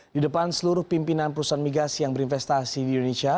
di depan seluruh pimpinan perusahaan migas yang berinvestasi di indonesia